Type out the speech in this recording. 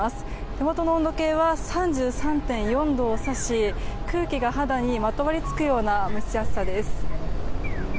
手元の温度計は３３．４度を指し空気が肌にまとわりつくような蒸し暑さです。